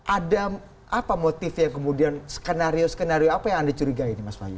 ada apa motifnya kemudian skenario skenario apa yang anda curigai mas soalju